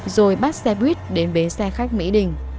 rồi bắt xe buýt đến bến xe khách mỹ đình